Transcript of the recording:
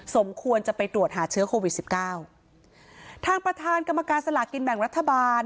สมควรจะไปตรวจหาเชื้อโควิดสิบเก้าทางประธานกรรมการสลากินแบ่งรัฐบาล